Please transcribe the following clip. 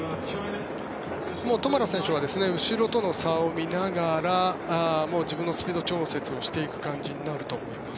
トマラ選手は後ろとの差を見ながら自分のスピード調節をしていく感じになると思います。